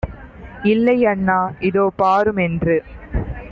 இல்லை அண்ணா இதோ பாருமென்று